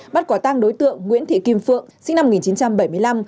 bắt quả tang đối tượng nguyễn thị kim phượng sinh năm một nghìn chín trăm bảy mươi năm